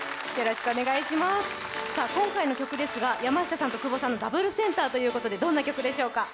今回の曲ですが、山下さんと久保さんのダブルセンターということでどんな曲でしょうか？